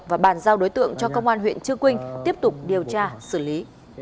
và bàn giao đối tượng cho công an huyện chư quynh tiếp tục điều tra xử lý